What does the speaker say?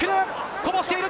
こぼしている！